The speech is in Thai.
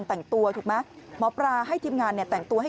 นั่งเฉยนั่งเฉยนั่งเฉยนั่งเฉย